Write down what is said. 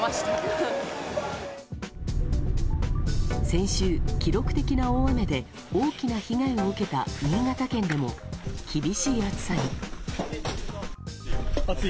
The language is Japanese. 先週、記録的な大雨で大きな被害を受けた新潟県でも厳しい暑さに。